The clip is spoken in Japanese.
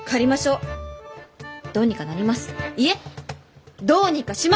いえどうにかします！